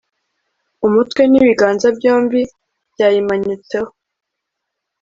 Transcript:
umutwe n'ibiganza byombi byayimanyutseho